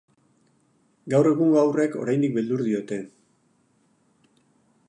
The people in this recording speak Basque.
Gaur egungo haurrek oraindik beldur diote.